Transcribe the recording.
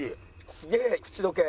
すげえ口溶け。